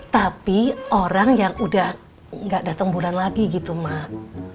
tapi orang yang udah gak datang bulan lagi gitu mak